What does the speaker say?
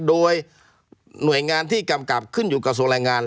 โดยหน่วยงานที่กำกับขึ้นอยู่กระทรวงแรงงาน